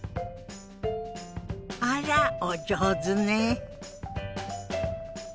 あらお上手ね。